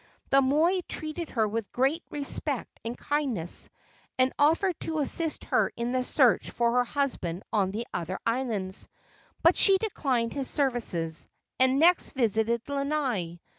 The moi treated her with great respect and kindness, and offered to assist in the search for her husband on the other islands; but she declined his services, and next visited Lanai.